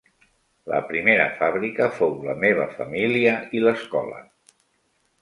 La primera fàbrica fou la meva família i l'escola.